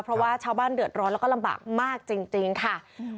เพราะว่าชาวบ้านเดือดร้อนแล้วก็ลำบากมากจริงจริงค่ะอืม